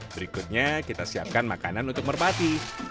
berikutnya kita siapkan makanan untuk merpati